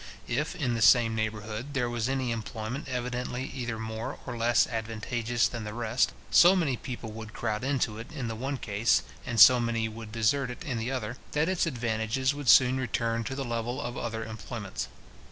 If, in the same neighbourhood, there was any employment evidently either more or less advantageous than the rest, so many people would crowd into it in the one case, and so many would desert it in the other, that its advantages would soon return to the level of other employments.